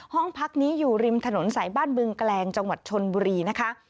ห้องพักนี้อยู่ริมถนนสายบ้านบึงแกลงจังหวัดชนบุรีนะคะ